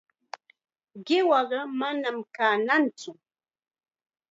Qiwaqa manam kannatsu.